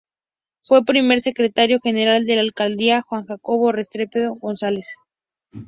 Fue primer secretario general de la alcaldía Juan Jacobo Restrepo González.